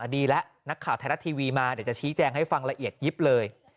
ดีแล้วนักข่าวไทยรัฐทีวีมาเดี๋ยวจะชี้แจงให้ฟังละเอียดยิบเลย